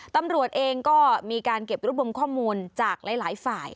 ตำรวจเองก็มีการเก็บรูปบมข้อมูลจากหลายฝ่าย